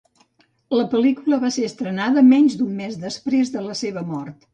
La pel·lícula va ser estrenada menys d'un mes després de la seva mort.